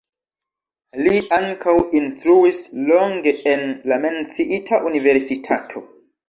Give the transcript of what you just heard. Li ankaŭ instruis longe en la menciita universitato.